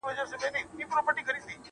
چې په درست تومن اوڅار دی، هغه کس